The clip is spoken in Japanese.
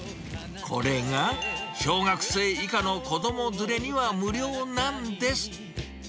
これが、小学生以下の子ども連れには無料なんです。